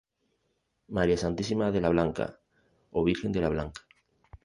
María Santísima de la Blanca o Virgen de la Blanca.